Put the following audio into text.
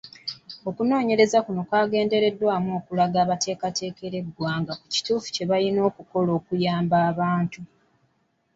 Okunoonyereza kuno kwagendereddwamu okulaga abateekerateekera eggwanga ku kituufu kye balina okukola okuyamba abantu.